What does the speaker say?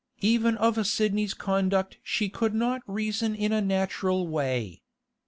Even of Sidney's conduct she could not reason in a natural way.